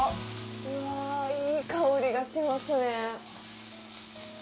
うわいい香りがしますね。